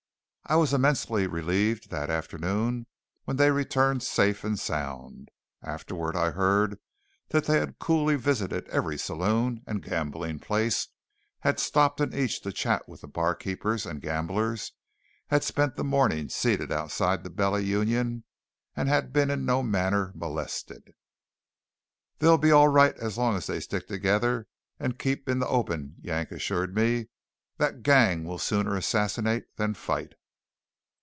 I was immensely relieved that afternoon when they returned safe and sound. Afterward I heard that they had coolly visited every saloon and gambling place, had stopped in each to chat with the barkeepers and gamblers, had spent the morning seated outside the Bella Union, and had been in no manner molested. "They'll be all right as long as they stick together and keep in the open," Yank assured me. "That gang will sooner assassinate than fight."